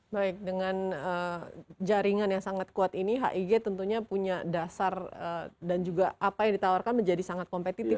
baik dengan jaringan yang sangat kuat ini hig tentunya punya dasar dan juga apa yang ditawarkan menjadi sangat kompetitif